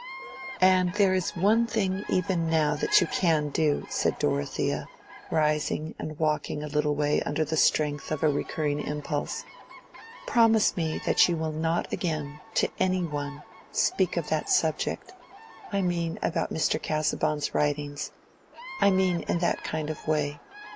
"And there is one thing even now that you can do," said Dorothea, rising and walking a little way under the strength of a recurring impulse. "Promise me that you will not again, to any one, speak of that subject—I mean about Mr. Casaubon's writings—I mean in that kind of way.